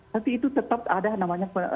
tapi itu tetap ada namanya